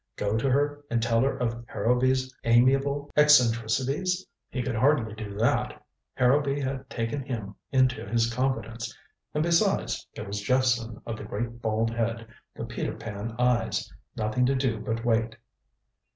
Go to her, and tell her of Harrowby's amiable eccentricities? He could hardly do that Harrowby had taken him into his confidence and besides there was Jephson of the great bald head, the Peter Pan eyes. Nothing to do but wait.